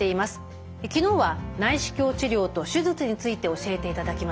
昨日は内視鏡治療と手術について教えていただきました。